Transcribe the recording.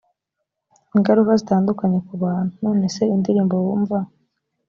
ingaruka zitandukanye ku bantu none se indirimbo wumva